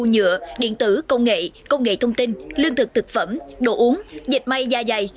nhựa điện tử công nghệ công nghệ thông tin lương thực thực phẩm đồ uống dịch may da dày